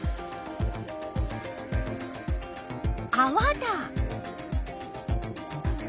あわだ！